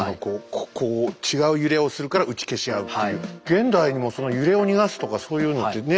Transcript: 現代にもその揺れを逃がすとかそういうのってね